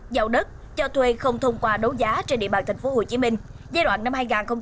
giao đất cho thuê không thông qua đấu giá trên địa bàn tp hcm giai đoạn năm hai nghìn một mươi sáu hai nghìn hai mươi